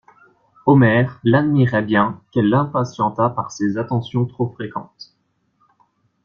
Omer l'admirait bien qu'elle l'impatientât par ses attentions trop fréquentes.